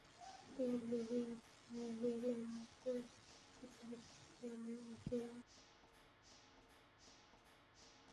তোমার নিলামকে স্টুপিট বলবো না এখন তারাতাড়ি বলো তোমার গেমটা কি।